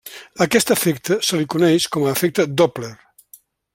A aquest efecte se li coneix com a efecte Doppler.